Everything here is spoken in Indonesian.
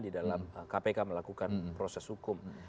di dalam kpk melakukan proses hukum